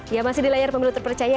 ya masih di layar pemilu terpercaya